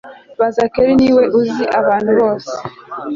Baza kelley niwe uzi abantu bose